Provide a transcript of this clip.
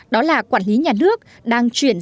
đó là quản lý nhà nước đang chuyển